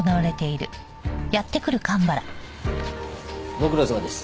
ご苦労さまです。